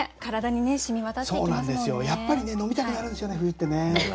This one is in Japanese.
やっぱりね飲みたくなるんですよね冬ってね。